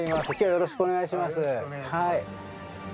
よろしくお願いします。